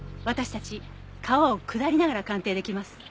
私たち川を下りながら鑑定できます。